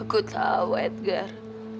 aku tau edgar